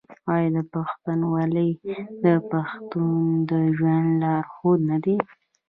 آیا پښتونولي د پښتنو د ژوند لارښود نه دی؟